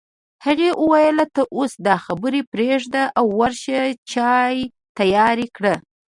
هغې وویل ته اوس دا خبرې پرېږده او ورشه چای تيار کړه